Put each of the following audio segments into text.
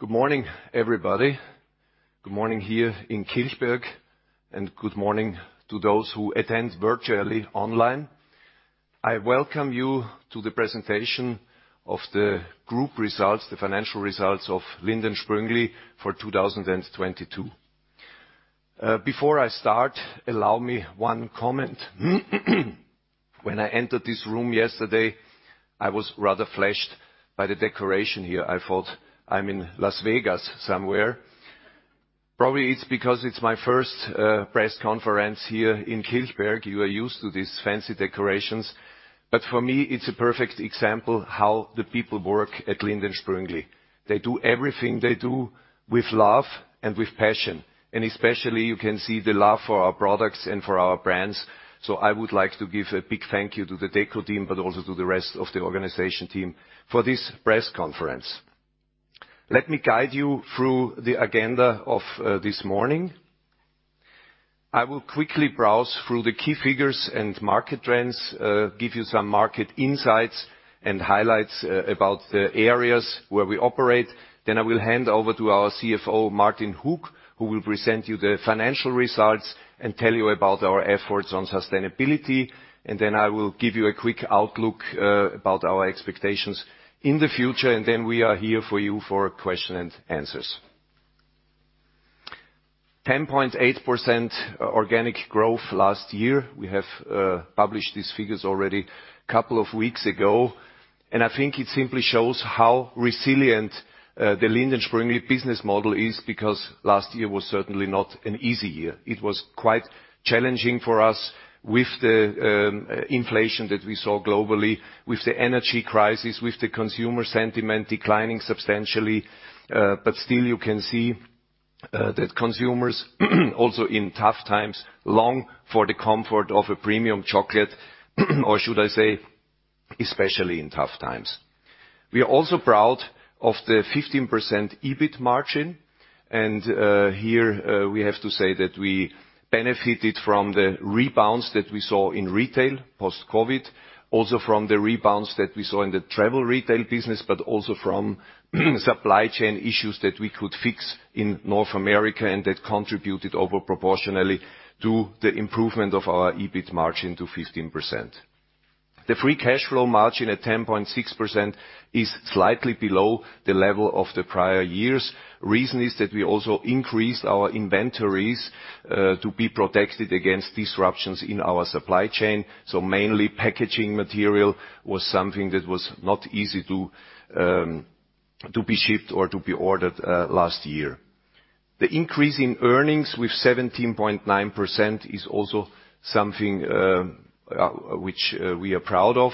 Good morning, everybody. Good morning here in Kilchberg, and good morning to those who attend virtually online. I welcome you to the presentation of the group results, the financial results of Lindt & Sprüngli for 2022. Before I start, allow me one comment. When I entered this room yesterday, I was rather flashed by the decoration here. I thought, "I'm in Las Vegas somewhere." Probably it's because it's my first press conference here in Kilchberg. You are used to these fancy decorations. For me, it's a perfect example how the people work at Lindt & Sprüngli. They do everything they do with love and with passion, and especially you can see the love for our products and for our brands. I would like to give a big thank you to the deco team, but also to the rest of the organization team for this press conference. Let me guide you through the agenda of this morning. I will quickly browse through the key figures and market trends, give you some market insights and highlights about the areas where we operate. I will hand over to our CFO, Martin Hug, who will present you the financial results and tell you about our efforts on sustainability. I will give you a quick outlook about our expectations in the future, and then we are here for you for question and answers. 10.8% organic growth last year. We have published these figures already a couple of weeks ago. I think it simply shows how resilient the Lindt & Sprüngli business model is because last year was certainly not an easy year. It was quite challenging for us with the inflation that we saw globally, with the energy crisis, with the consumer sentiment declining substantially. Still you can see that consumers, also in tough times, long for the comfort of a premium chocolate, or should I say, especially in tough times. We are also proud of the 15% EBIT margin. Here, we have to say that we benefited from the rebounds that we saw in retail post-COVID, also from the rebounds that we saw in the travel retail business, but also from supply chain issues that we could fix in North America and that contributed over proportionally to the improvement of our EBIT margin to 15%. The free cash flow margin at 10.6% is slightly below the level of the prior years. Reason is that we also increased our inventories to be protected against disruptions in our supply chain, so mainly packaging material was something that was not easy to be shipped or to be ordered last year. The increase in earnings with 17.9% is also something we are proud of,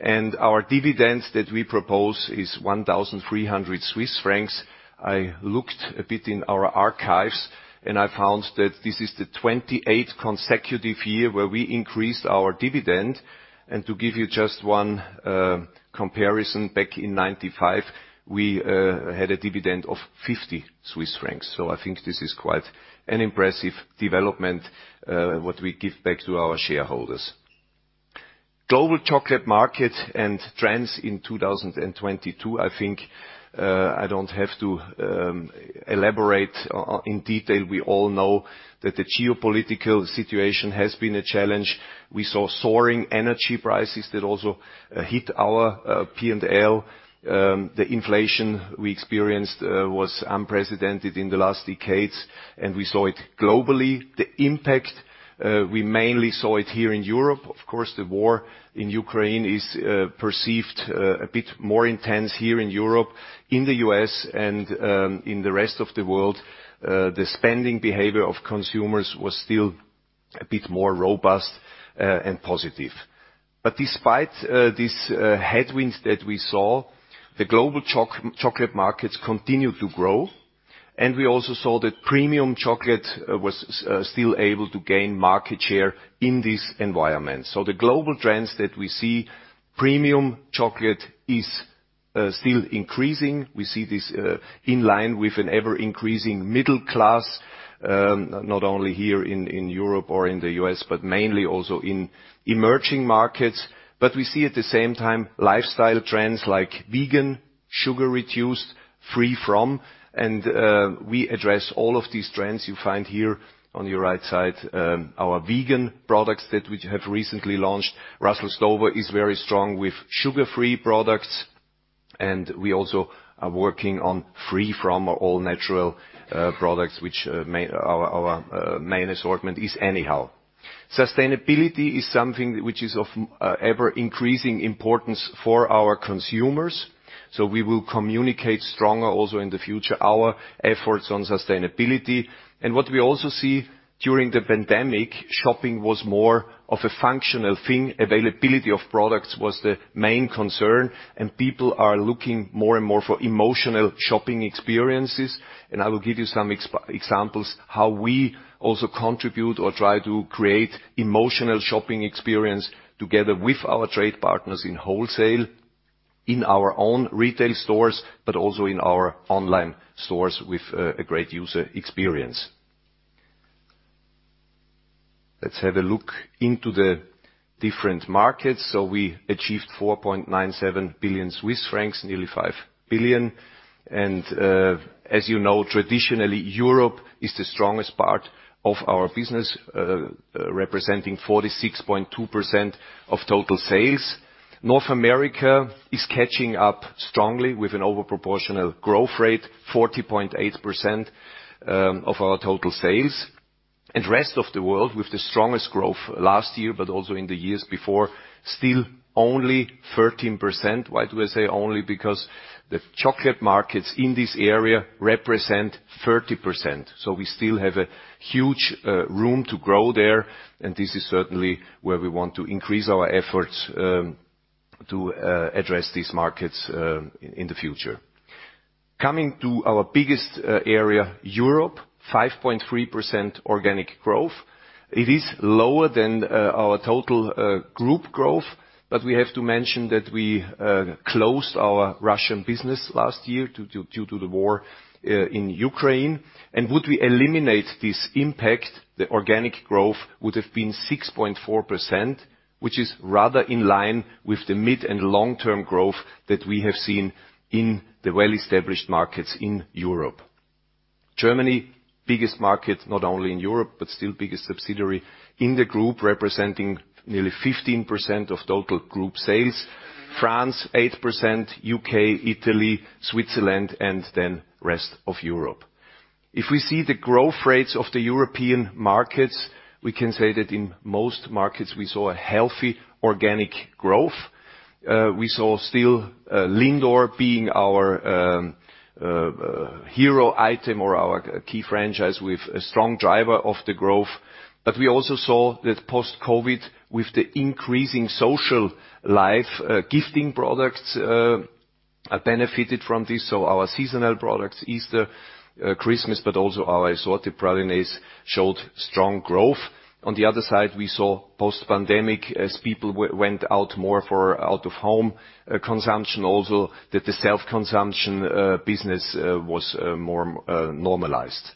and our dividends that we propose is 1,300 Swiss francs. I looked a bit in our archives, and I found that this is the 28th consecutive year where we increased our dividend. To give you just one comparison, back in 1995, we had a dividend of 50 Swiss francs. I think this is quite an impressive development what we give back to our shareholders. Global chocolate market and trends in 2022, I think, I don't have to elaborate in detail. We all know that the geopolitical situation has been a challenge. We saw soaring energy prices that also hit our P&L. The inflation we experienced was unprecedented in the last decades. We saw it globally. The impact, we mainly saw it here in Europe. Of course, the war in Ukraine is perceived a bit more intense here in Europe. In the U.S. and in the rest of the world, the spending behavior of consumers was still a bit more robust and positive. Despite these headwinds that we saw, the global chocolate markets continued to grow. We also saw that premium chocolate was still able to gain market share in this environment. The global trends that we see, premium chocolate is still increasing. We see this in line with an ever-increasing middle class, not only here in Europe or in the U.S., but mainly also in emerging markets. We see at the same time lifestyle trends like vegan, sugar reduced, free from, and we address all of these trends you find here on your right side. Our vegan products that we have recently launched, Russell Stover is very strong with sugar-free products, and we also are working on free from or all natural products which our main assortment is anyhow. Sustainability is something which is of ever increasing importance for our consumers, so we will communicate stronger also in the future our efforts on sustainability. What we also see during the pandemic, shopping was more of a functional thing. Availability of products was the main concern, and people are looking more and more for emotional shopping experiences. I will give you some examples how we also contribute or try to create emotional shopping experience together with our trade partners in wholesale, in our own retail stores, but also in our online stores with a great user experience. Let's have a look into the different markets. We achieved 4.97 billion Swiss francs, nearly 5 billion. As you know, traditionally, Europe is the strongest part of our business, representing 46.2% of total sales. North America is catching up strongly with an over proportional growth rate, 40.8% of our total sales. Rest of the world with the strongest growth last year, but also in the years before, still only 13%. Why do I say only? The chocolate markets in this area represent 30%, we still have a huge room to grow there, and this is certainly where we want to increase our efforts to address these markets in the future. Coming to our biggest area, Europe, 5.3% organic growth. It is lower than our total group growth, but we have to mention that we closed our Russian business last year due to the war in Ukraine. Would we eliminate this impact, the organic growth would have been 6.4%, which is rather in line with the mid and long-term growth that we have seen in the well-established markets in Europe. Germany, biggest market, not only in Europe, but still biggest subsidiary in the group, representing nearly 15% of total group sales. France, 8%, U.K., Italy, Switzerland, and then rest of Europe. If we see the growth rates of the European markets, we can say that in most markets we saw a healthy organic growth. We saw still LINDOR being our hero item or our key franchise with a strong driver of the growth. We also saw that post-COVID, with the increasing social life, gifting products benefited from this. Our seasonal products, Easter, Christmas, but also our assorted pralines showed strong growth. On the other side, we saw post-pandemic as people went out more for out-of-home consumption also that the self-consumption business was more normalized.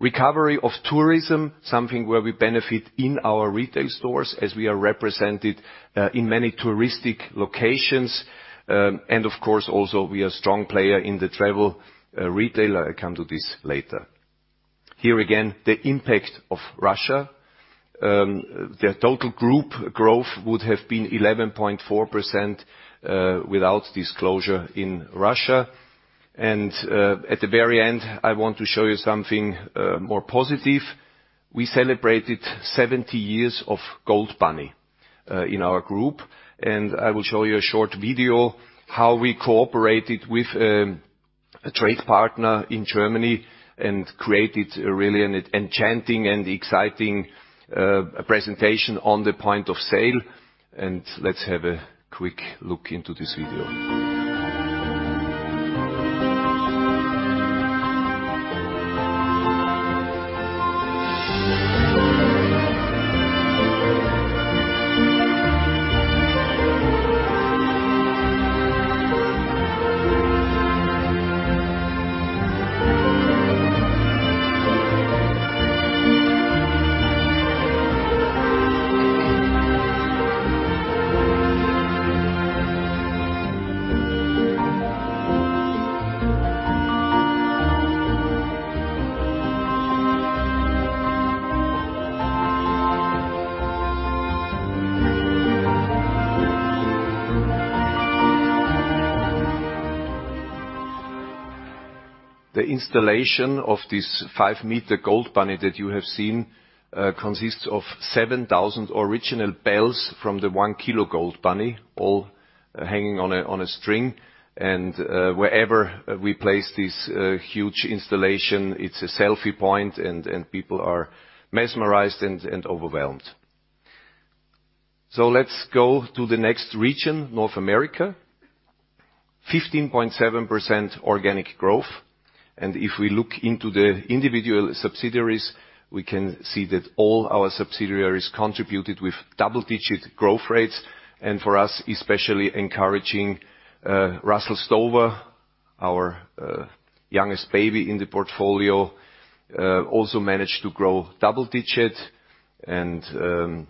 Recovery of tourism, something where we benefit in our retail stores as we are represented in many touristic locations. Of course, also we are strong player in the travel retailer. I come to this later. Here again, the impact of Russia. The total group growth would have been 11.4% without this closure in Russia. At the very end, I want to show you something more positive. We celebrated 70 years of GOLD BUNNY in our group. I will show you a short video how we cooperated with a trade partner in Germany and created a really an enchanting and exciting presentation on the point of sale. Let's have a quick look into this video. The installation of this 5-meter GOLD BUNNY that you have seen consists of 7,000 original bells from the 1 kilo GOLD BUNNY, all hanging on a string. Wherever we place this huge installation, it's a selfie point, and people are mesmerized and overwhelmed. Let's go to the next region, North America. 15.7% organic growth. If we look into the individual subsidiaries, we can see that all our subsidiaries contributed with double-digit growth rates. For us, especially encouraging, Russell Stover, our youngest baby in the portfolio, also managed to grow double digit. The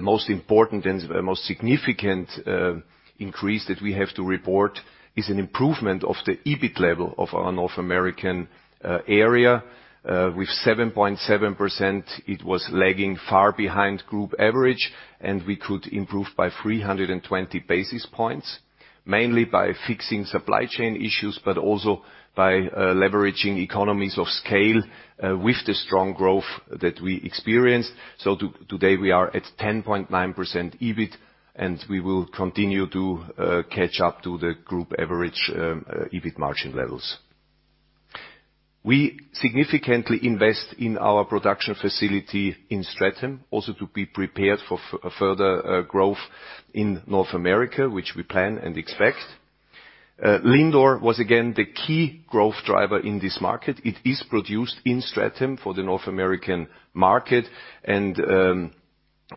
most important and most significant increase that we have to report is an improvement of the EBIT level of our North American area. With 7.7%, it was lagging far behind group average, we could improve by 320 basis points, mainly by fixing supply chain issues, but also by leveraging economies of scale with the strong growth that we experienced. Today, we are at 10.9% EBIT, we will continue to catch up to the group average EBIT margin levels. We significantly invest in our production facility in Stratham, also to be prepared for further growth in North America, which we plan and expect. LINDOR was again the key growth driver in this market. It is produced in Stratham for the North American market.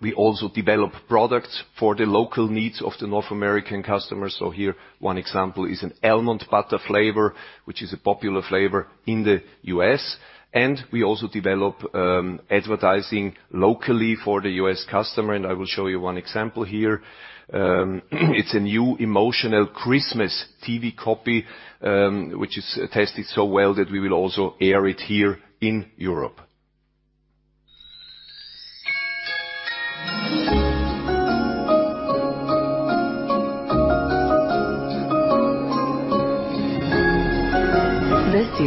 We also develop products for the local needs of the North American customers. Here one example is an Almond Butter flavor, which is a popular flavor in the U.S. We also develop advertising locally for the U.S. customer, and I will show you one example here. It's a new emotional Christmas TV copy, which has tested so well that we will also air it here in Europe.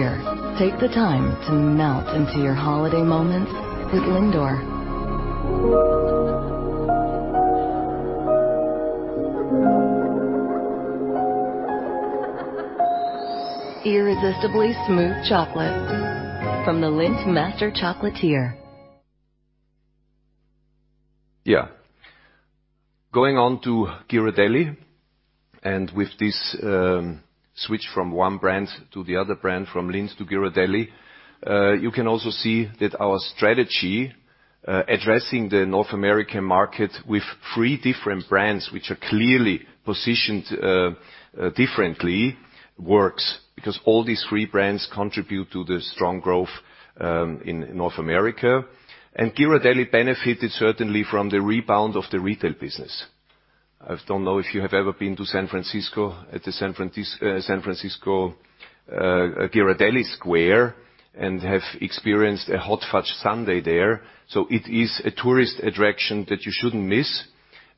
This year, take the time to melt into your holiday moments with LINDOR. Irresistibly smooth chocolate from the Lindt Master Chocolatier. Yeah. Going on to Ghirardelli, with this switch from one brand to the other brand, from Lindt to Ghirardelli, you can also see that our strategy addressing the North American market with three different brands which are clearly positioned differently works because all these three brands contribute to the strong growth in North America. Ghirardelli benefited certainly from the rebound of the retail business. I don't know if you have ever been to San Francisco, at the San Francisco Ghirardelli Square and have experienced a hot fudge sundae there. It is a tourist attraction that you shouldn't miss.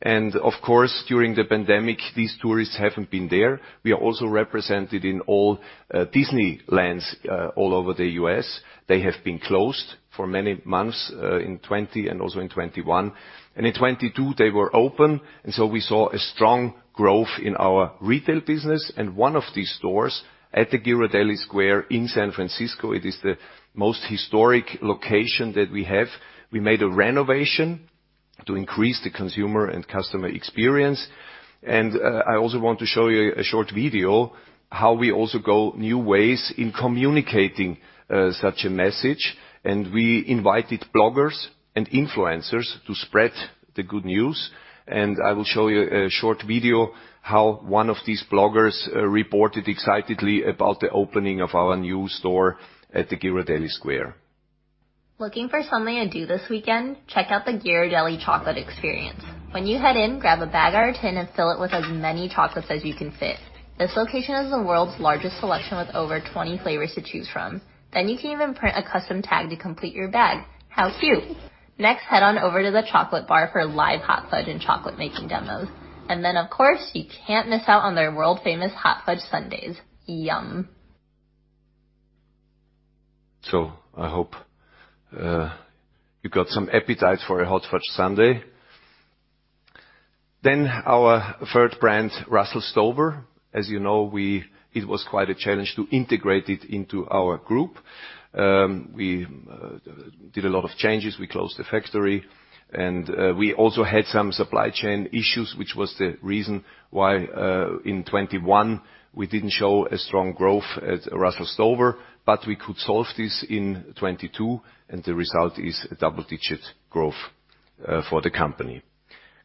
Of course, during the pandemic, these tourists haven't been there. We are also represented in all Disneylands all over the U.S. They have been closed for many months in 2020, and also in 2021. In 2022 they were open, and so we saw a strong growth in our retail business. One of these stores at the Ghirardelli Square in San Francisco, it is the most historic location that we have. We made a renovation to increase the consumer and customer experience. I also want to show you a short video, how we also go new ways in communicating such a message. We invited bloggers and influencers to spread the good news. I will show you a short video, how one of these bloggers reported excitedly about the opening of our new store at the Ghirardelli Square. Looking for something to do this weekend? Check out the Ghirardelli chocolate experience. When you head in, grab a bag or a tin and fill it with as many chocolates as you can fit. This location is the world's largest selection with over 20 flavors to choose from. Then you can even print a custom tag to complete your bag. How cute. Next, head on over to the chocolate bar for live hot fudge and chocolate-making demos. Then, of course, you can't miss out on their World Famous Hot Fudge Sundaes. Yum. I hope you got some appetite for a hot fudge sundae. Our third brand, Russell Stover. As you know, we it was quite a challenge to integrate it into our group. We did a lot of changes. We closed the factory, and we also had some supply chain issues, which was the reason why in 2021 we didn't show a strong growth at Russell Stover, but we could solve this in 2022, and the result is double-digit growth for the company.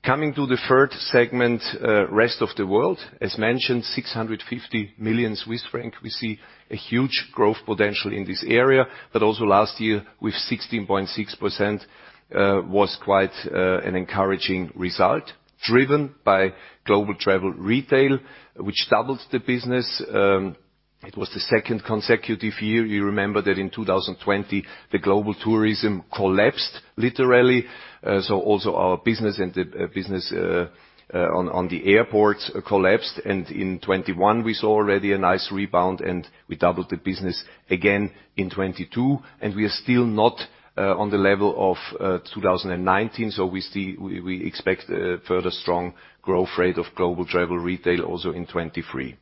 Coming to the third segment, rest of the world, as mentioned, 650 million Swiss francs, we see a huge growth potential in this area. Also last year, with 16.6%, was quite an encouraging result, driven by global travel retail, which doubled the business. It was the second consecutive year. You remember that in 2020, the global tourism collapsed literally. Also our business and the business on the airports collapsed. In 2021 we saw already a nice rebound, and we doubled the business again in 2022. We are still not on the level of 2019. We expect a further strong growth rate of global travel retail also in 2023.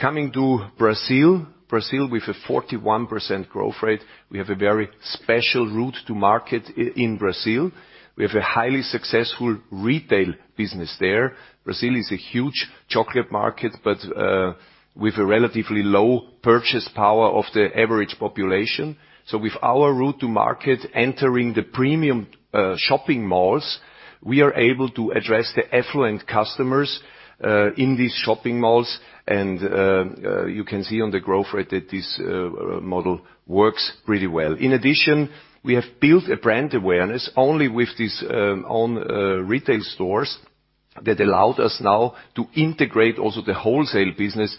Coming to Brazil. Brazil with a 41% growth rate, we have a very special route to market in Brazil. We have a highly successful retail business there. Brazil is a huge chocolate market, but with a relatively low purchase power of the average population. With our route to market entering the premium shopping malls, we are able to address the affluent customers in these shopping malls. You can see on the growth rate that this model works really well. In addition, we have built a brand awareness only with these own retail stores that allowed us now to integrate also the wholesale business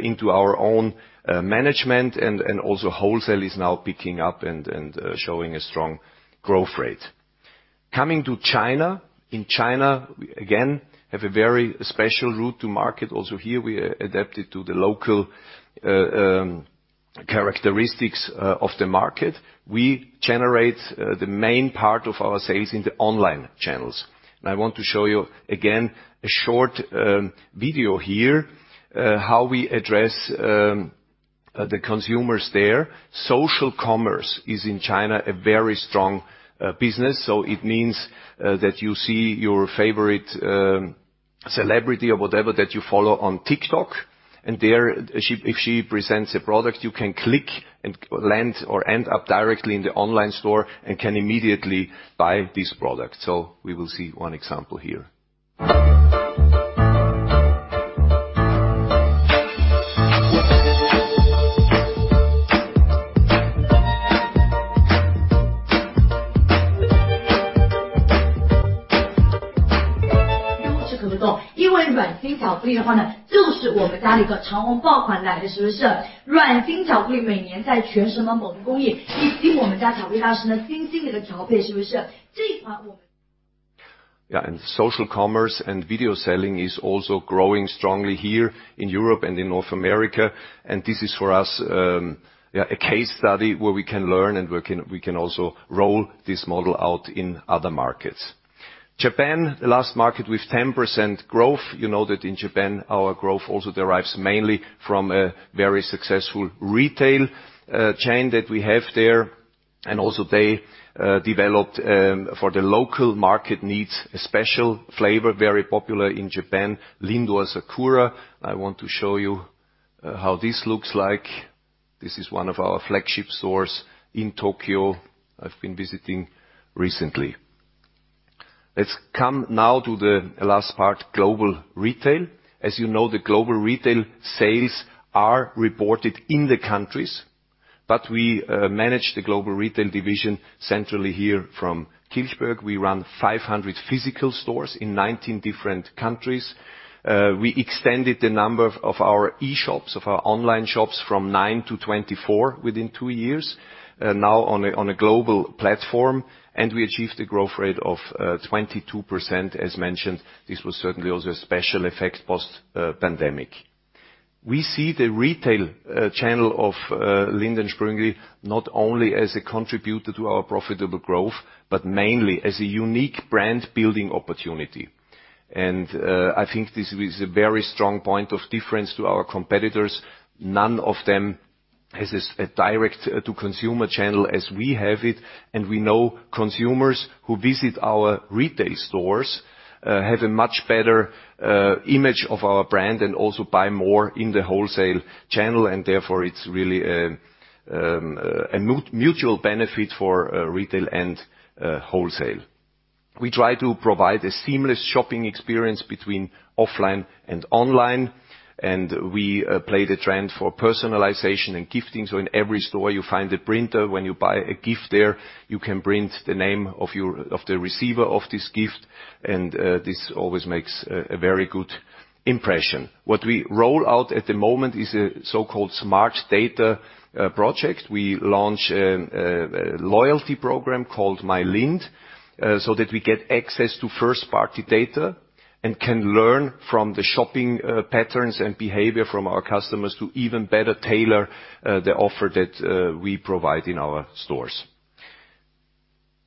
into our own management. Also wholesale is now picking up and showing a strong growth rate. Coming to China. In China, we again have a very special route to market. Also here we adapted to the local characteristics of the market. We generate the main part of our sales in the online channels. I want to show you again a short video here how we address the consumers there. Social commerce is in China a very strong business. It means that you see your favorite Celebrity or whatever that you follow on TikTok. There, if she presents a product, you can click and land or end up directly in the online store and can immediately buy this product. We will see one example here. Social commerce and video selling is also growing strongly here in Europe and in North America. This is for us a case study where we can learn and we can also roll this model out in other markets. Japan, the last market with 10% growth. You know that in Japan, our growth also derives mainly from a very successful retail chain that we have there. Also they developed for the local market needs, a special flavor, very popular in Japan, LINDOR Sakura. I want to show you how this looks like. This is one of our flagship stores in Tokyo I've been visiting recently. Let's come now to the last part, global retail. As you know, the global retail sales are reported in the countries, but we manage the global retail division centrally here from Kilchberg. We run 500 physical stores in 19 different countries. We extended the number of our eShops, of our online shops from nine to 24 within two years, now on a global platform, and we achieved a growth rate of 22% as mentioned. This was certainly also a special effect post pandemic. We see the retail channel of Lindt & Sprüngli not only as a contributor to our profitable growth, but mainly as a unique brand-building opportunity. I think this is a very strong point of difference to our competitors. None of them has a direct to consumer channel as we have it. We know consumers who visit our retail stores have a much better image of our brand and also buy more in the wholesale channel, and therefore it's really a mutual benefit for retail and wholesale. We try to provide a seamless shopping experience between offline and online, and we play the trend for personalization and gifting. In every store you find a printer. When you buy a gift there, you can print the name of the receiver of this gift, and this always makes a very good impression. What we roll out at the moment is a so-called smart data project. We launch a loyalty program called My Lindt, so that we get access to first-party data and can learn from the shopping patterns and behavior from our customers to even better tailor the offer that we provide in our stores.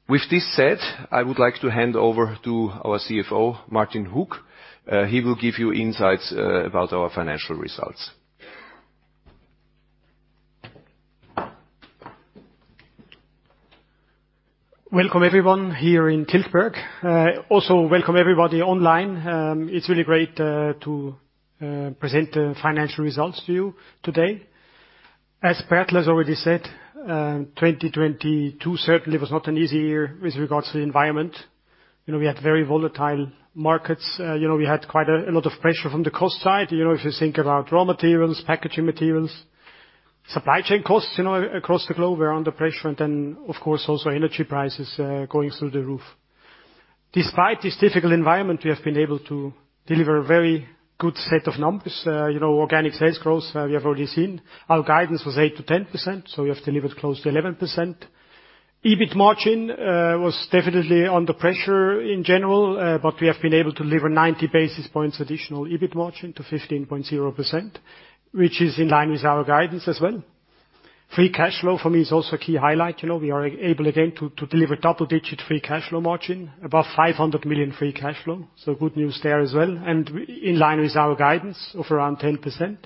With this said, I would like to hand over to our CFO, Martin Hug. He will give you insights about our financial results. Welcome everyone here in Kilchberg. Also welcome everybody online. It's really great to present the financial results to you today. As Adalbert has already said, 2022 certainly was not an easy year with regards to the environment. You know, we had very volatile markets. You know, we had quite a lot of pressure from the cost side. You know, if you think about raw materials, packaging materials, supply chain costs, you know, across the globe, we're under pressure. Of course, also energy prices going through the roof. Despite this difficult environment, we have been able to deliver a very good set of numbers. You know, organic sales growth we have already seen. Our guidance was 8%-10%, so we have delivered close to 11%. EBIT margin was definitely under pressure in general, we have been able to deliver 90 basis points additional EBIT margin to 15.0%, which is in line with our guidance as well. Free cash flow for me is also a key highlight. You know, we are able again to deliver double-digit free cash flow margin, above 500 million free cash flow. Good news there as well, and in line with our guidance of around 10%.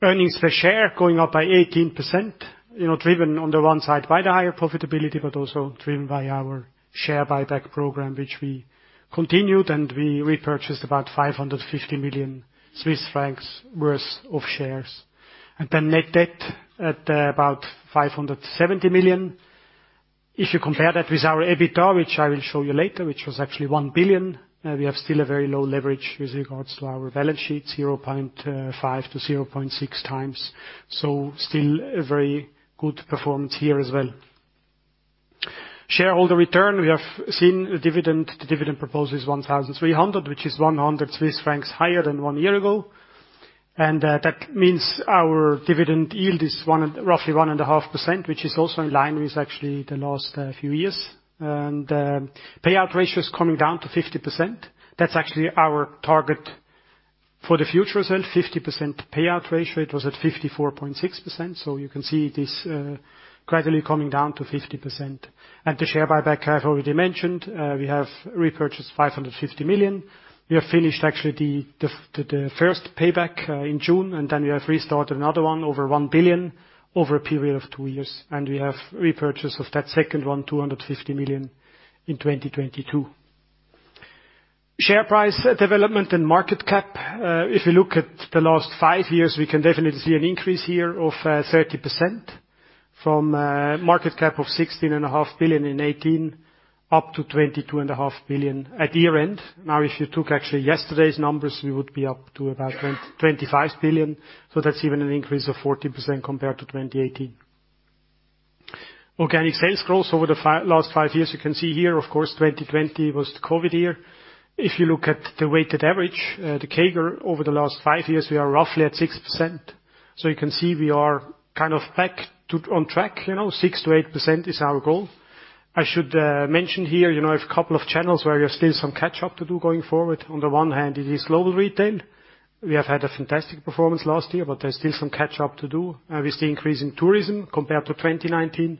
Earnings per share going up by 18%, you know, driven on the one side by the higher profitability, but also driven by our share buyback program, which we continued, and we repurchased about 550 million Swiss francs worth of shares. Net debt at about 570 million. If you compare that with our EBITA, which I will show you later, which was actually 1 billion, we have still a very low leverage with regards to our balance sheet, 0.5-0.6 times. Still a very good performance here as well. Shareholder return, we have seen the dividend. The dividend proposal is 1,300, which is 100 Swiss francs higher than one year ago. That means our dividend yield is roughly 1.5%, which is also in line with actually the last few years. Payout ratio is coming down to 50%. That's actually our target for the future as well, 50% payout ratio. It was at 54.6%, so you can see this gradually coming down to 50%. The share buyback I have already mentioned. We have repurchased 550 million. We have finished actually the first payback in June, and then we have restarted another one over 1 billion over a period of two years. We have repurchase of that second one, 250 million in 2022. Share price development and market cap. If you look at the last five years, we can definitely see an increase here of 30% from market cap of 16.5 billion in 2018 up to 22.5 billion at year-end. If you took actually yesterday's numbers, we would be up to about 25 billion. That's even an increase of 40% compared to 2018. Organic sales growth over the last five years, you can see here, of course, 2020 was the COVID year. If you look at the weighted average, the CAGR over the last five years, we are roughly at 6%. You can see we are kind of back on track. You know, 6%-8% is our goal. I should mention here, you know, a couple of channels where we have still some catch-up to do going forward. On the one hand, it is global retail. We have had a fantastic performance last year, but there's still some catch-up to do. We see increase in tourism compared to 2019.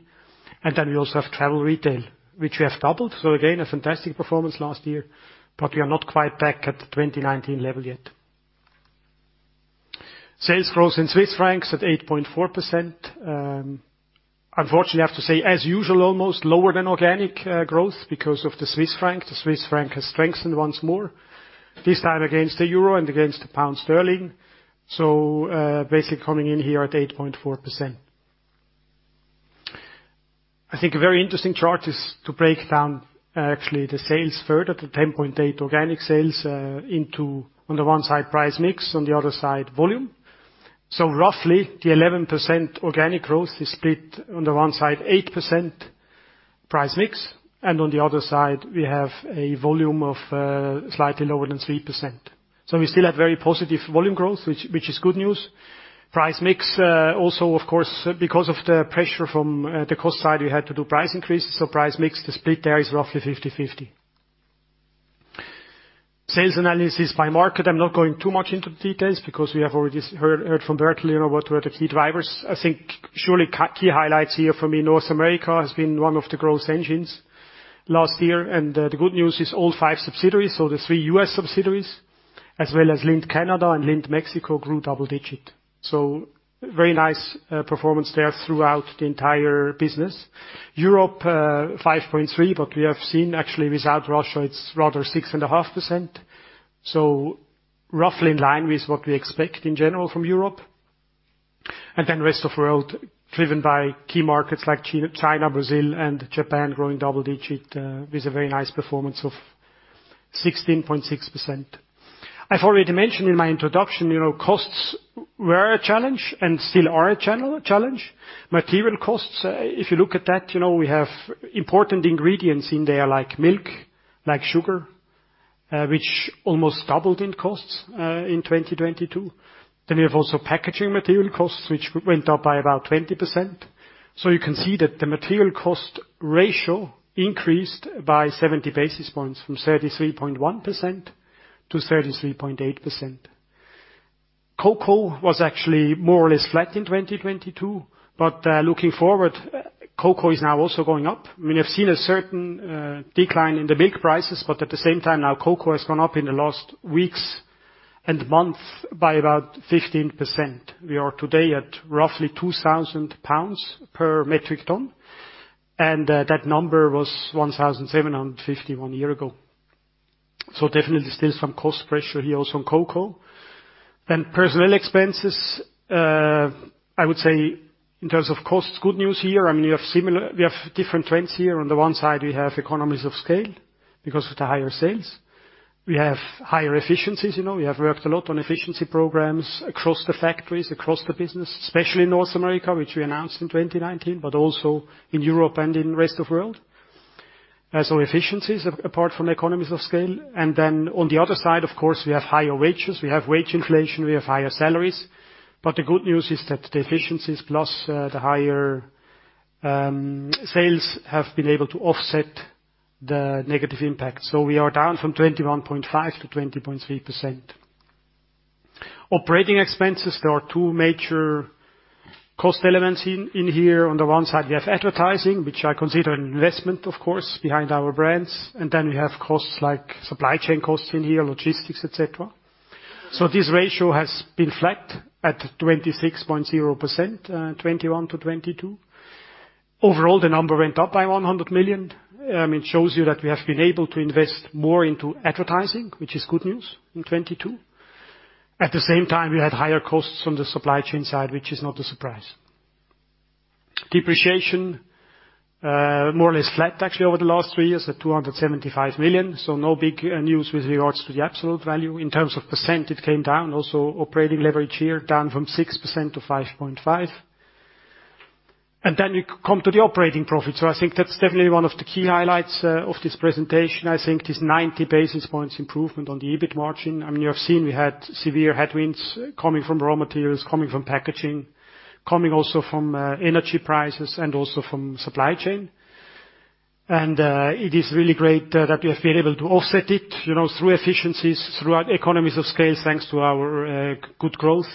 Then we also have travel retail, which we have doubled. Again, a fantastic performance last year, but we are not quite back at the 2019 level yet. Sales gross CHF at 8.4%. Unfortunately, I have to say, as usual, almost lower than organic growth because of the CHF. The CHF has strengthened once more, this time against the EUR and against the GBP. Basically coming in here at 8.4%. I think a very interesting chart is to break down actually the sales further to 10.8 organic sales into, on the one side, price mix, on the other side, volume. Roughly the 11% organic growth is split: on the one side, 8% price mix, and on the other side we have a volume of slightly lower than 3%. We still have very positive volume growth, which is good news. Price mix, also, of course, because of the pressure from the cost side, we had to do price increases. Price mix, the split there is roughly 50/50. Sales analysis by market. I'm not going too much into the details because we have already heard from Bert, you know, what were the key drivers. I think surely key highlights here for me, North America has been one of the growth engines last year. The good news is all five subsidiaries, so the 3 U.S. subsidiaries, as well as Lindt Canada and Lindt Mexico, grew double digit. Very nice performance there throughout the entire business. Europe, 5.3, we have seen actually without Russia it's rather 6.5%. Roughly in line with what we expect in general from Europe. Rest of world, driven by key markets like China, Brazil, and Japan growing double-digit, with a very nice performance of 16.6%. I've already mentioned in my introduction, you know, costs were a challenge and still are a challenge. Material costs, if you look at that, you know, we have important ingredients in there like milk, like sugar, which almost doubled in costs in 2022. We have also packaging material costs, which went up by about 20%. You can see that the material cost ratio increased by 70 basis points from 33.1% to 33.8%. Cocoa was actually more or less flat in 2022, but looking forward, cocoa is now also going up. I mean, we have seen a certain decline in the milk prices, but at the same time now cocoa has gone up in the last weeks and month by about 15%. We are today at roughly 2,000 pounds per metric ton, and that number was 1,751 one year ago. Definitely still some cost pressure here also on cocoa. Personnel expenses, I would say in terms of costs, good news here. I mean, we have different trends here. On the one side, we have economies of scale because of the higher sales. We have higher efficiencies. You know, we have worked a lot on efficiency programs across the factories, across the business, especially in North America, which we announced in 2019, but also in Europe and in rest of world. Efficiencies apart from economies of scale. On the other side, of course, we have higher wages, we have wage inflation, we have higher salaries. The good news is that the efficiencies plus, the higher sales have been able to offset the negative impact. We are down from 21.5%-20.3%. Operating expenses. There are two major cost elements in here. On the one side, we have advertising, which I consider an investment, of course, behind our brands. We have costs like supply chain costs in here, logistics, et cetera. This ratio has been flat at 26.0%, 21-22. Overall, the number went up by 100 million. It shows you that we have been able to invest more into advertising, which is good news in 2022. At the same time, we had higher costs on the supply chain side, which is not a surprise. Depreciation, more or less flat actually over the last three years at 275 million, no big news with regards to the absolute value. In terms of percent, it came down. Also operating leverage here, down from 6% to 5.5%. We come to the operating profit. I think that's definitely one of the key highlights of this presentation. I think this 90 basis points improvement on the EBIT margin. I mean, you have seen we had severe headwinds coming from raw materials, coming from packaging, coming also from energy prices and also from supply chain. It is really great that we have been able to offset it, you know, through efficiencies, throughout economies of scale, thanks to our good growth,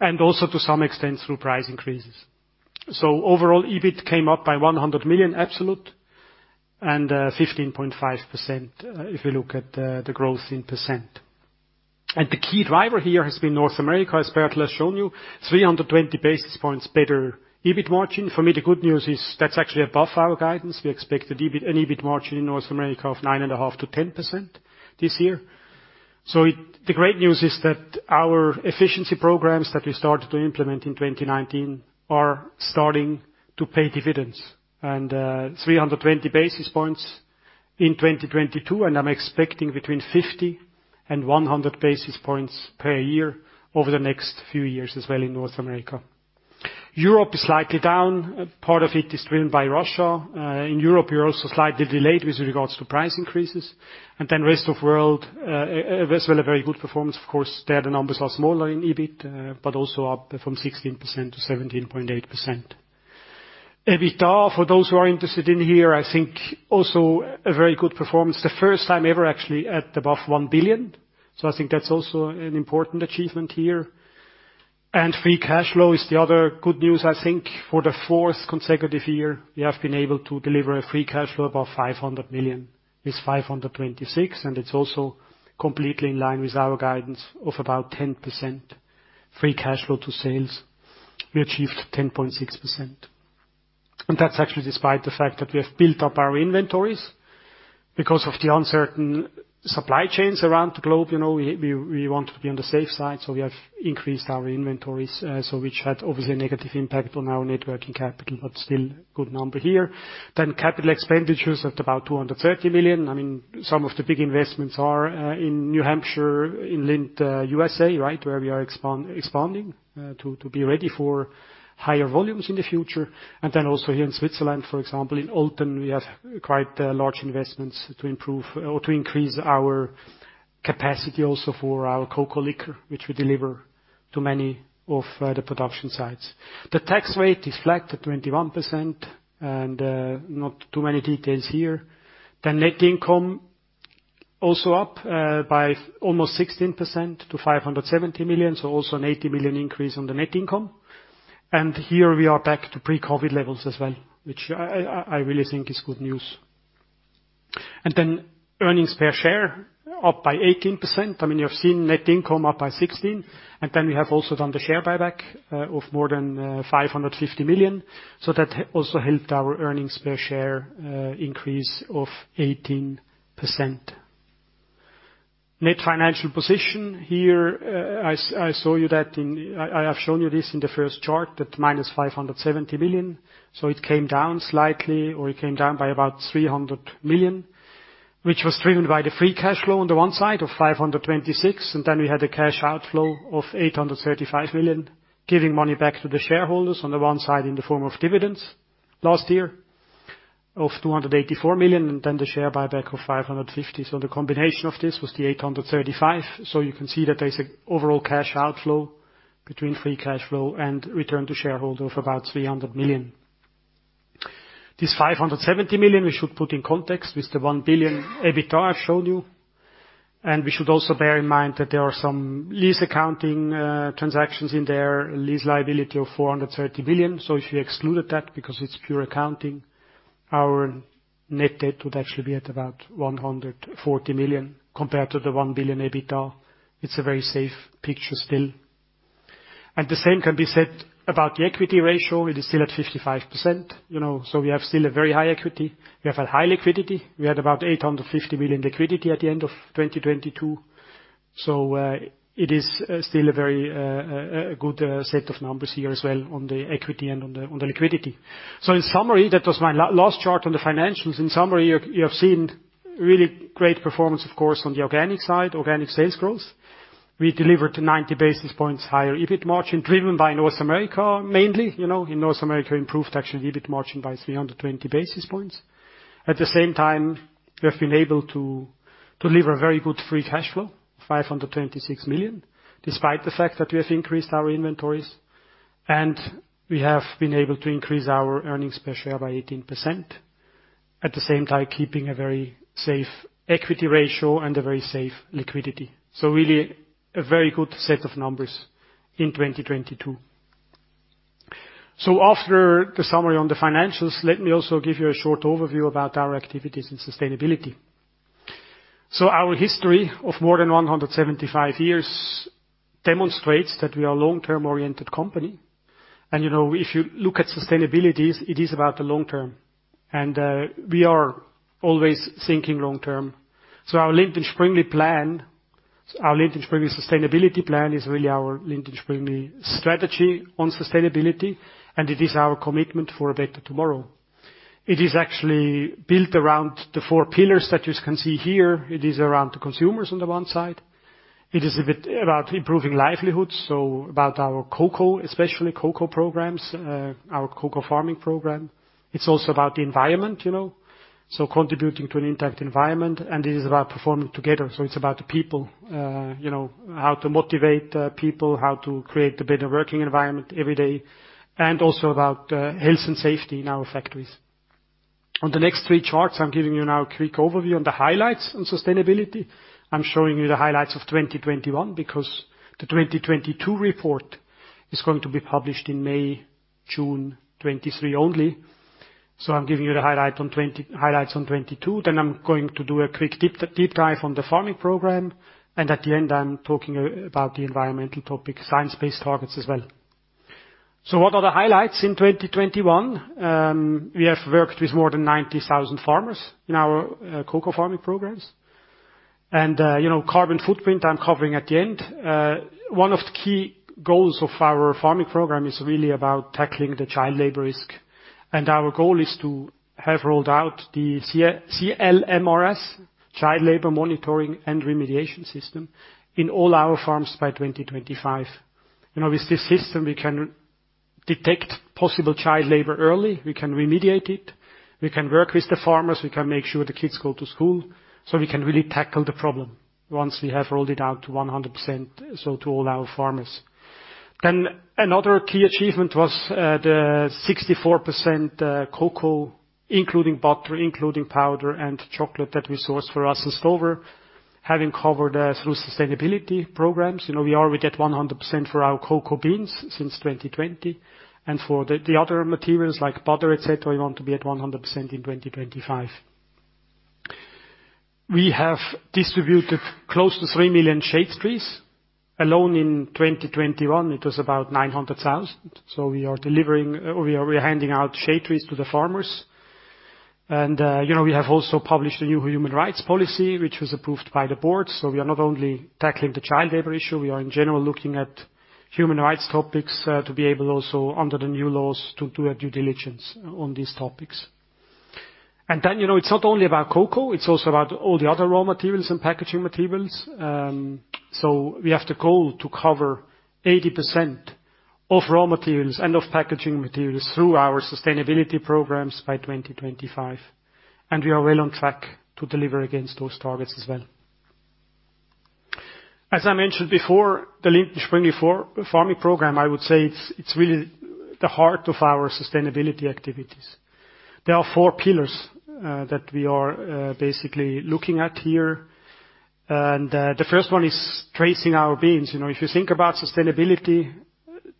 and also to some extent through price increases. Overall, EBIT came up by 100 million absolute and 15.5%, if we look at the growth in percent. The key driver here has been North America, as Bert has shown you, 320 basis points better EBIT margin. For me, the good news is that's actually above our guidance. We expect an EBIT margin in North America of 9.5%-10% this year. The great news is that our efficiency programs that we started to implement in 2019 are starting to pay dividends and, 320 basis points in 2022, and I'm expecting between 50 and 100 basis points per year over the next few years as well in North America. Europe is slightly down. Part of it is driven by Russia. In Europe, you're also slightly delayed with regards to price increases. Rest of world, as well, a very good performance. Of course, there the numbers are smaller in EBIT, but also up from 16% to 17.8%. EBITDA, for those who are interested in here, I think also a very good performance. The first time ever actually at above 1 billion. I think that's also an important achievement here. Free cash flow is the other good news. I think for the fourth consecutive year, we have been able to deliver a free cash flow above 500 million. It's 526, and it's also completely in line with our guidance of about 10% free cash flow to sales. We achieved 10.6%. That's actually despite the fact that we have built up our inventories because of the uncertain supply chains around the globe. You know, we want to be on the safe side, so we have increased our inventories, which had obviously a negative impact on our net working capital, but still good number here. Capital expenditures at about 230 million. I mean, some of the big investments are in New Hampshire, in Lindt USA, right? Where we are expanding to be ready for higher volumes in the future. Also here in Switzerland, for example, in Olten, we have quite large investments to improve or to increase our capacity also for our cocoa liquor, which we deliver to many of the production sites. The tax rate is flat at 21%, not too many details here. The net income also up by almost 16% to 570 million, so also a 80 million increase on the net income. Here we are back to pre-COVID levels as well, which I really think is good news. Earnings per share up by 18%. I mean, you have seen net income up by 16%, and then we have also done the share buyback of more than 550 million. That also helped our earnings per share increase of 18%. Net financial position. Here, I have shown you this in the first chart, that -570 million. It came down slightly, or it came down by about 300 million, which was driven by the free cash flow on the one side of 526 million. We had a cash outflow of 835 million, giving money back to the shareholders on the one side in the form of dividends last year of 284 million, and then the share buyback of 550 million. The combination of this was the 835 million. You can see that there's an overall cash outflow between free cash flow and return to shareholder of about 300 million. This 570 million we should put in context with the 1 billion EBITDA I've shown you. We should also bear in mind that there are some lease accounting transactions in there, lease liability of 430 billion. If you excluded that because it's pure accounting, our net debt would actually be at about 140 million compared to the 1 billion EBITDA. It's a very safe picture still. The same can be said about the equity ratio. It is still at 55%. You know, we have still a very high equity. We have a high liquidity. We had about 850 million liquidity at the end of 2022. It is still a very good set of numbers here as well on the equity and on the liquidity. In summary, that was my last chart on the financials. In summary, you have seen really great performance, of course, on the organic side, organic sales growth. We delivered to 90 basis points higher EBIT margin, driven by North America, mainly. You know, in North America, improved actually EBIT margin by 320 basis points. At the same time, we have been able to deliver very good free cash flow, 526 million, despite the fact that we have increased our inventories, and we have been able to increase our earnings per share by 18%, at the same time keeping a very safe equity ratio and a very safe liquidity. Really a very good set of numbers in 2022. After the summary on the financials, let me also give you a short overview about our activities in sustainability. Our history of more than 175 years demonstrates that we are a long-term oriented company. You know, if you look at sustainability, it is about the long term. We are always thinking long term. Our Lindt & Sprüngli plan, our Lindt & Sprüngli Sustainability Plan is really our Lindt & Sprüngli strategy on sustainability, and it is our commitment for a better tomorrow. It is actually built around the four pillars that you can see here. It is around the consumers on the one side. It is a bit about improving livelihoods, so about our cocoa, especially cocoa programs, our cocoa farming program. It's also about the environment, you know. Contributing to an intact environment, and it is about performing together. It's about the people, you know, how to motivate people, how to create a better working environment every day, and also about health and safety in our factories. On the next three charts, I'm giving you now a quick overview on the highlights on sustainability. I'm showing you the highlights of 2021 because the 2022 report is going to be published in May, June 2023 only. I'm giving you the highlights on 22, then I'm going to do a quick deep dive on the Farming Program. At the end, I'm talking about the environmental topic, science-based targets as well. What are the highlights in 2021? We have worked with more than 90,000 farmers in our cocoa farming programs. You know, carbon footprint, I'm covering at the end. One of the key goals of our farming program is really about tackling the child labor risk. Our goal is to have rolled out the CLMRS, Child Labor Monitoring and Remediation System, in all our farms by 2025. You know, with this system, we can detect possible child labor early. We can remediate it. We can work with the farmers. We can make sure the kids go to school, so we can really tackle the problem once we have rolled it out to 100%, so to all our farmers. Another key achievement was the 64% cocoa, including butter, including powder and chocolate that we source for us in store, having covered through sustainability programs. You know, we are already at 100% for our cocoa beans since 2020. For the other materials like butter, et cetera, we want to be at 100% in 2025. We have distributed close to 3 million shade trees. Alone in 2021, it was about 900,000. We are delivering, or we are handing out shade trees to the farmers. You know, we have also published a new human rights policy, which was approved by the board. We are not only tackling the child labor issue, we are in general looking at human rights topics, to be able also, under the new laws, to do a due diligence on these topics. Then, you know, it's not only about cocoa, it's also about all the other raw materials and packaging materials. We have the goal to cover 80% of raw materials and of packaging materials through our sustainability programs by 2025. We are well on track to deliver against those targets as well. As I mentioned before, the Lindt & Sprüngli Farming Program, I would say it's really the heart of our sustainability activities. There are four pillars that we are basically looking at here. The first one is tracing our beans. You know, if you think about sustainability,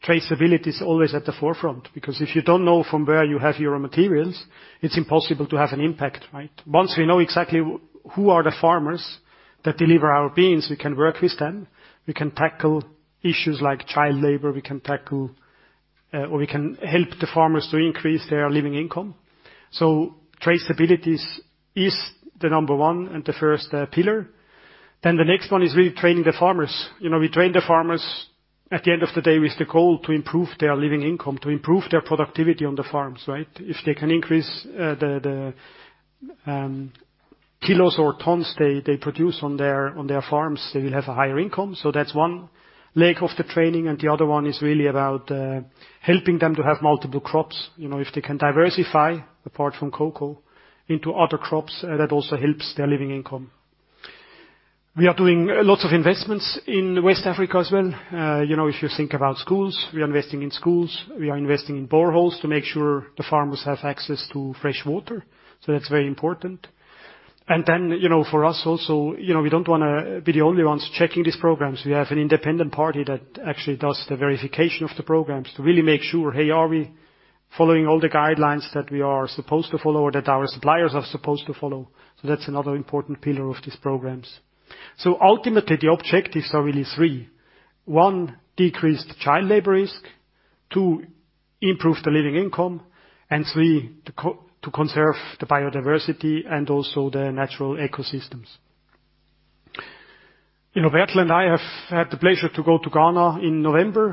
traceability is always at the forefront, because if you don't know from where you have your materials, it's impossible to have an impact, right? Once we know exactly who are the farmers that deliver our beans, we can work with them. We can tackle issues like child labor, or we can help the farmers to increase their living income. Traceability is the number one and the first pillar. The next one is really training the farmers. You know, we train the farmers at the end of the day with the goal to improve their living income, to improve their productivity on the farms, right? If they can increase the kilos or tons they produce on their farms, they will have a higher income. That's one leg of the training, and the other one is really about helping them to have multiple crops. You know, if they can diversify apart from cocoa into other crops, that also helps their living income. We are doing lots of investments in West Africa as well. You know, if you think about schools, we are investing in schools, we are investing in boreholes to make sure the farmers have access to fresh water. That's very important. You know, for us also, you know, we don't wanna be the only ones checking these programs. We have an independent party that actually does the verification of the programs to really make sure, hey, are we following all the guidelines that we are supposed to follow or that our suppliers are supposed to follow? That's another important pillar of these programs. Ultimately, the objectives are really three. One, decrease the child labor risk. Two, improve the living income. Three, to conserve the biodiversity and also the natural ecosystems. You know, Bertold and I have had the pleasure to go to Ghana in November.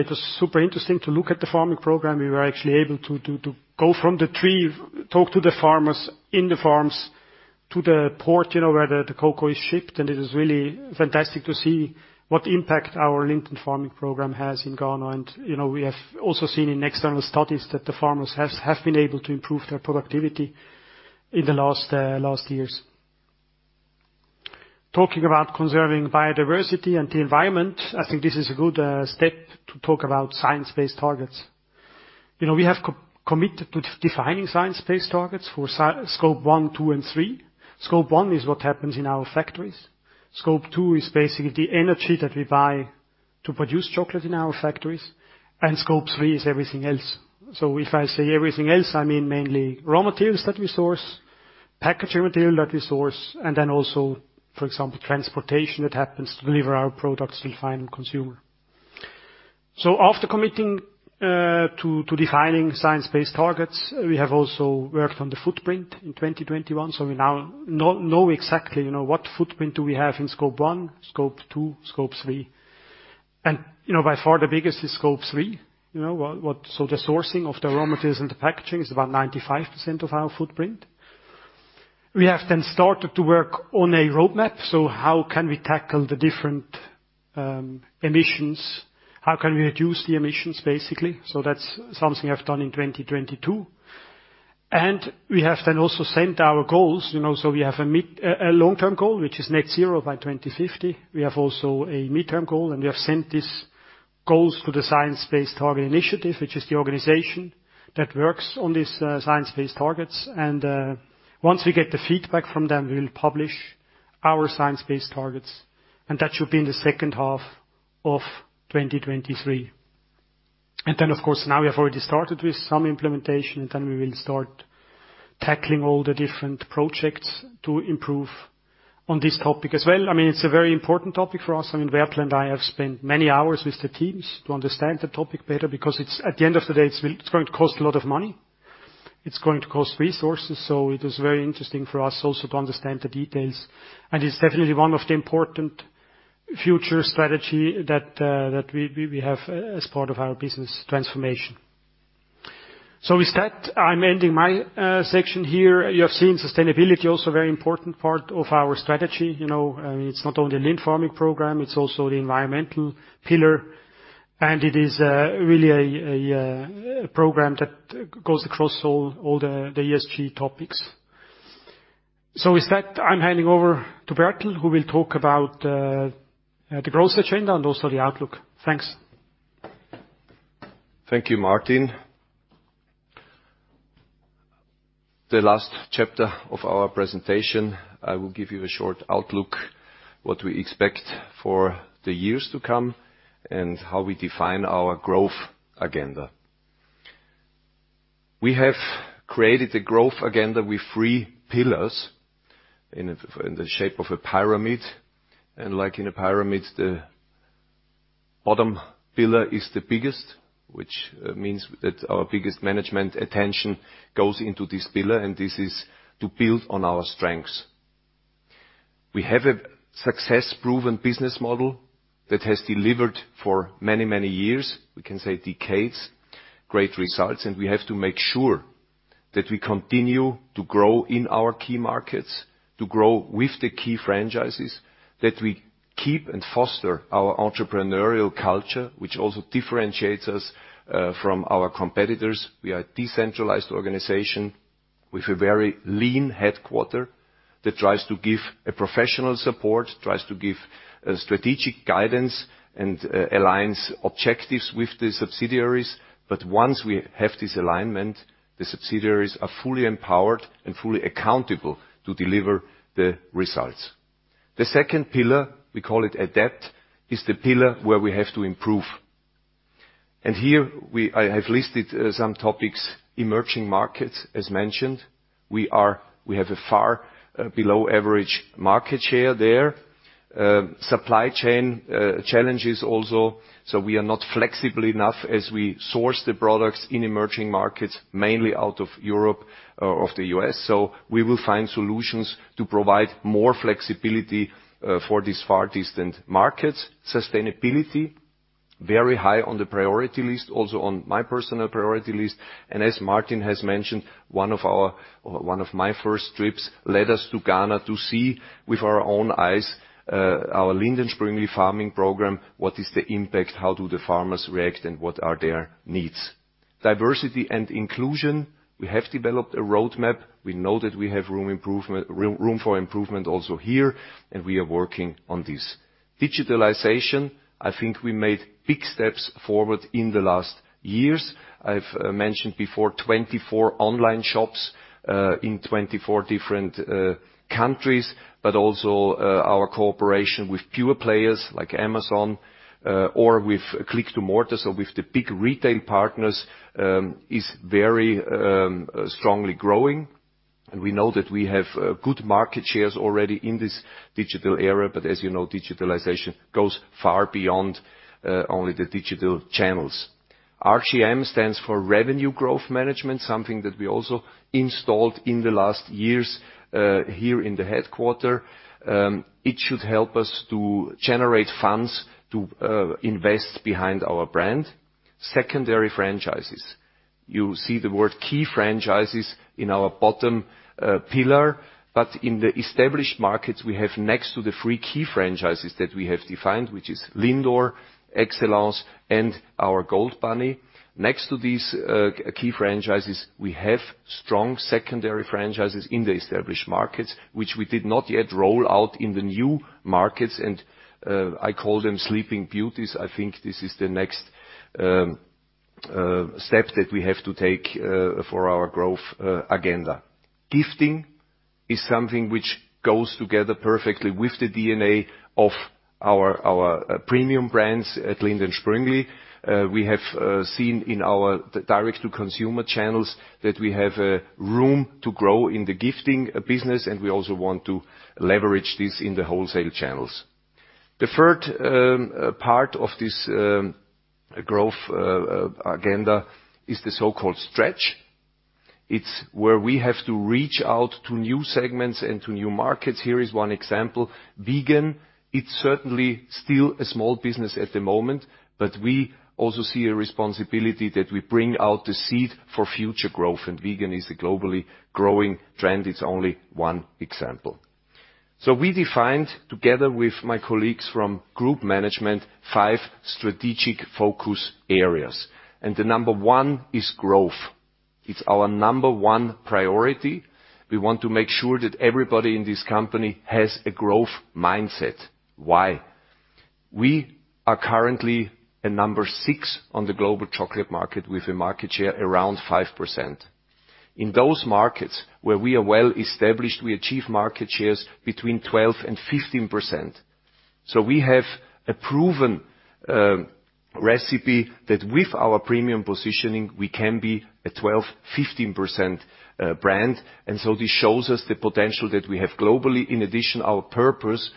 It was super interesting to look at the farming program. We were actually able to go from the tree, talk to the farmers in the farms to the port, you know, where the cocoa is shipped. It is really fantastic to see what impact our Lindt Farming program has in Ghana. You know, we have also seen in external studies that the farmers have been able to improve their productivity in the last years. Talking about conserving biodiversity and the environment, I think this is a good step to talk about science-based targets. You know, we have co-committed to defining science-based targets for scope one, two, and three. scope one is what happens in our factories. Scope two is basically the energy that we buy to produce chocolate in our factories. Scope three is everything else. If I say everything else, I mean mainly raw materials that we source, packaging material that we source, and then also, for example, transportation that happens to deliver our products to the final consumer. After committing to defining science-based targets, we have also worked on the footprint in 2021. We now know exactly, you know, what footprint do we have in Scope one, Scope two, Scope three. You know, by far the biggest is Scope three. You know, the sourcing of the raw materials and the packaging is about 95% of our footprint. We have started to work on a roadmap. How can we tackle the different emissions? How can we reduce the emissions, basically? That's something we have done in 2022. We have then also set our goals, you know. We have a long-term goal, which is net zero by 2050. We have also a midterm goal, and we have set these goals to the Science Based Targets initiative, which is the organization that works on these science-based targets. Once we get the feedback from them, we will publish our science-based targets, and that should be in the second half of 2023. Of course, now we have already started with some implementation, and then we will start tackling all the different projects to improve on this topic as well. I mean, it's a very important topic for us. I mean, Bertold and I have spent many hours with the teams to understand the topic better because it's. At the end of the day, it's going to cost a lot of money. It's going to cost resources. It is very interesting for us also to understand the details, and it's definitely one of the important future strategy that we have as part of our business transformation. With that, I'm ending my section here. You have seen sustainability also very important part of our strategy. You know, I mean, it's not only a Lindt & Sprüngli Farming Program, it's also the environmental pillar, and it is really a program that goes across all the ESG topics. With that, I'm handing over to Bertold, who will talk about the growth agenda and also the outlook. Thanks. Thank you, Martin. The last chapter of our presentation, I will give you a short outlook, what we expect for the years to come and how we define our growth agenda. We have created a growth agenda with three pillars in the shape of a pyramid. Like in a pyramid, the bottom pillar is the biggest, which means that our biggest management attention goes into this pillar, and this is to build on our strengths. We have a success-proven business model that has delivered for many, many years, we can say decades, great results, and we have to make sure that we continue to grow in our key markets, to grow with the key franchises, that we keep and foster our entrepreneurial culture, which also differentiates us from our competitors. We are a decentralized organization with a very lean headquarters that tries to give a professional support, tries to give strategic guidance, aligns objectives with the subsidiaries. Once we have this alignment, the subsidiaries are fully empowered and fully accountable to deliver the results. The second pillar, we call it Adapt, is the pillar where we have to improve. Here I have listed some topics. Emerging markets, as mentioned, we have a far below average market share there. Supply chain challenges also. We are not flexible enough as we source the products in emerging markets, mainly out of Europe or of the U.S. We will find solutions to provide more flexibility for these far distant markets. Sustainability, very high on the priority list, also on my personal priority list. As Martin has mentioned, one of our... One of my first trips led us to Ghana to see with our own eyes, our Lindt & Sprüngli Farming Program, what is the impact, how do the farmers react, and what are their needs? Diversity and inclusion, we have developed a roadmap. We know that we have room for improvement also here, and we are working on this. Digitalization, I think we made big steps forward in the last years. I've mentioned before, 24 online shops in 24 different countries, but also our cooperation with pure players like Amazon, or with click-and-mortar or with the big retail partners, is very strongly growing. We know that we have good market shares already in this digital era. As you know, digitalization goes far beyond only the digital channels. RGM stands for Revenue Growth Management, something that we also installed in the last years, here in the headquarter. It should help us to generate funds to invest behind our brand. Secondary franchises. You see the word key franchises in our bottom pillar. In the established markets, we have next to the three key franchises that we have defined, which is LINDOR, EXCELLENCE, and our GOLD BUNNY. Next to these key franchises, we have strong secondary franchises in the established markets, which we did not yet roll out in the new markets, and I call them sleeping beauties. I think this is the next step that we have to take for our growth agenda. Gifting is something which goes together perfectly with the DNA of our premium brands at Lindt & Sprüngli. We have seen in our direct-to-consumer channels that we have room to grow in the gifting business, and we also want to leverage this in the wholesale channels. The third part of this growth agenda is the so-called stretch. It's where we have to reach out to new segments and to new markets. Here is one example. Vegan, it's certainly still a small business at the moment, but we also see a responsibility that we bring out the seed for future growth. Vegan is a globally growing trend. It's only one example. We defined, together with my colleagues from group management, five strategic focus areas, and the number one is growth. It's our number one priority. We want to make sure that everybody in this company has a growth mindset. Why? We are currently a number six on the global chocolate market, with a market share around 5%. In those markets where we are well established, we achieve market shares between 12% and 15%. We have a proven recipe that with our premium positioning, we can be a 12%, 15% brand. This shows us the potential that we have globally. In addition, our purpose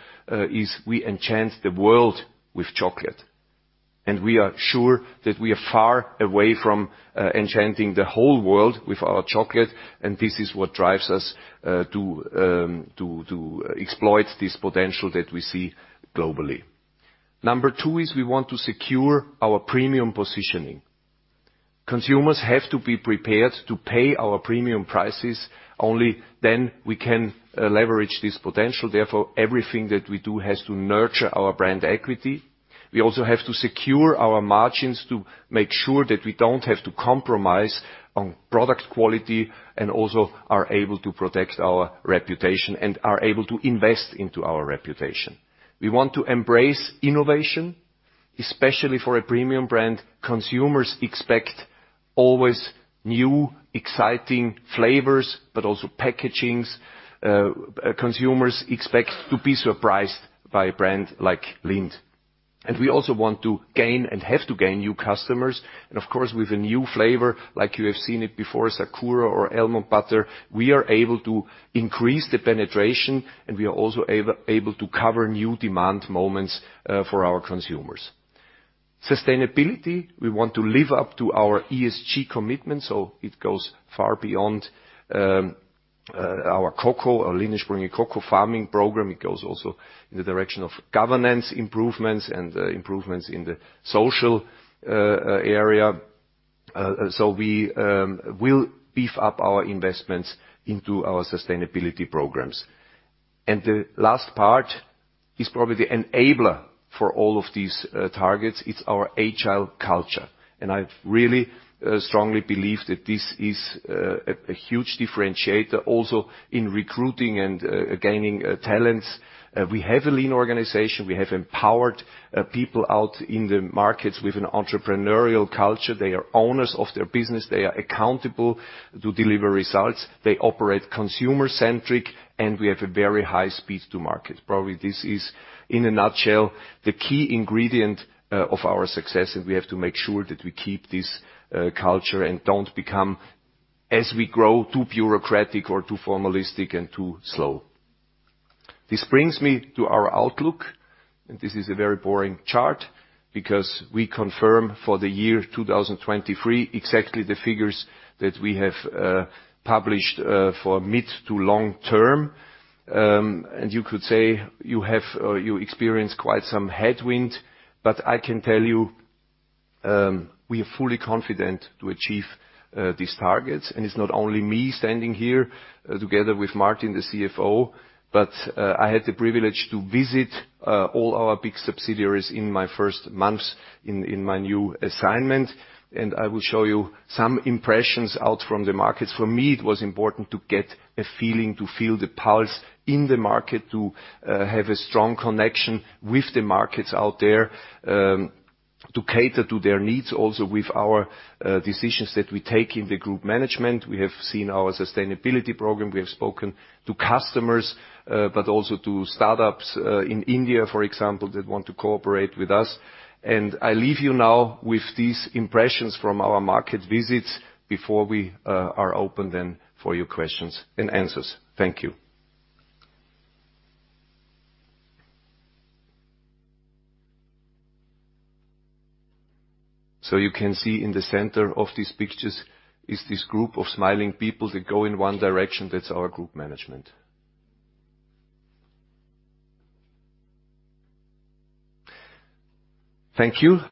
is we enchant the world with chocolate. We are sure that we are far away from enchanting the whole world with our chocolate, and this is what drives us to exploit this potential that we see globally. Number two is we want to secure our premium positioning. Consumers have to be prepared to pay our premium prices. Only then we can leverage this potential. Therefore, everything that we do has to nurture our brand equity. We also have to secure our margins to make sure that we don't have to compromise on product quality, and also are able to protect our reputation and are able to invest into our reputation. We want to embrace innovation, especially for a premium brand. Consumers expect always new, exciting flavors, but also packagings. Consumers expect to be surprised by a brand like Lindt. We also want to gain and have to gain new customers. Of course, with a new flavor, like you have seen it before, Sakura or Almond Butter, we are able to increase the penetration, and we are also able to cover new demand moments for our consumers. Sustainability, we want to live up to our ESG commitment. It goes far beyond our cocoa, our Lindt Sprüngli Cocoa Farming Program. It goes also in the direction of governance improvements and improvements in the social area. We will beef up our investments into our sustainability programs. The last part is probably the enabler for all of these targets. It's our agile culture. I really strongly believe that this is a huge differentiator also in recruiting and gaining talents. We have a lean organization. We have empowered people out in the markets with an entrepreneurial culture. They are owners of their business. They are accountable to deliver results. They operate consumer-centric, and we have a very high speed to market. Probably this is, in a nutshell, the key ingredient of our success, and we have to make sure that we keep this culture and don't become, as we grow, too bureaucratic or too formalistic and too slow. This brings me to our outlook, and this is a very boring chart because we confirm for the year 2023 exactly the figures that we have published for mid to long term. You could say you have, or you experience quite some headwind, but I can tell you, we are fully confident to achieve these targets. It's not only me standing here together with Martin, the CFO, but I had the privilege to visit all our big subsidiaries in my first months in my new assignment, and I will show you some impressions out from the markets. For me, it was important to get a feeling, to feel the pulse in the market, to have a strong connection with the markets out there, to cater to their needs also with our decisions that we take in the group management. We have seen our sustainability program. We have spoken to customers, but also to startups in India, for example, that want to cooperate with us. I leave you now with these impressions from our market visits before we are open then for your questions and answers. Thank you. You can see in the center of these pictures is this group of smiling people that go in one direction. That's our group management. Thank you